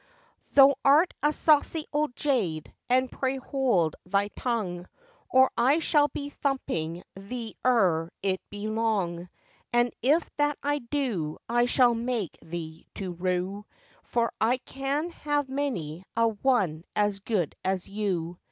'Thou'rt a saucy old jade, and pray hold thy tongue, Or I shall be thumping thee ere it be long; And if that I do, I shall make thee to rue, For I can have many a one as good as you.